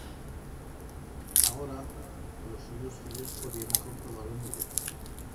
Agora los suyos fillos podieron comprobar-lo en directo.